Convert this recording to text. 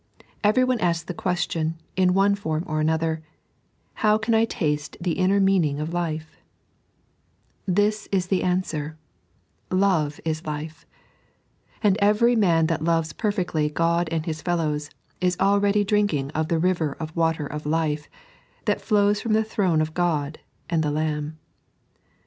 Everyone asks the question, in one form or another, How can I taste the inner meaning of life 1 This is the answer — Love is life ; and every man that loves perfectly Qod and his fellows is already drinking of the River of Water of Life, that flows from the throne of God and the Lamb.